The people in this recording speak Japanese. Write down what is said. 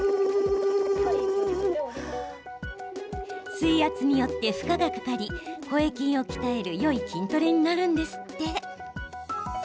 水圧によって負荷がかかり声筋を鍛えるよい筋トレになるんですって。